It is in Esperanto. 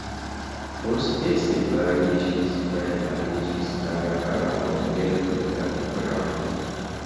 Poste separiĝis kaj aliĝis al la Ordeno de Kalatrava.